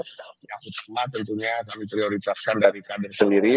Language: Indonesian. tapi aku cuma tentunya kami prioritaskan dari kader sendiri